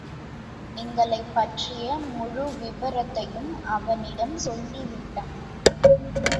எங்களைப் பற்றிய முழு விபரத்தையும் அவரிடம் சொல்லி விட்டான்.